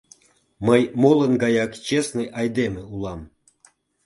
Мый молын гаяк честный айдеме улам.